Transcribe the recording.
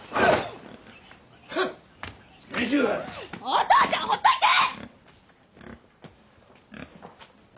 お父ちゃんほっといて！